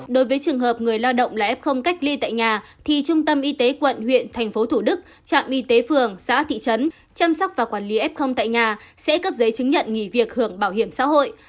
đối với trường hợp người lao động là f cách ly tại nhà thì trung tâm y tế quận huyện thành phố thủ đức trạm y tế phường xã thị trấn chăm sóc và quản lý f tại nhà sẽ cấp giấy chứng nhận nghỉ việc hưởng bảo hiểm xã hội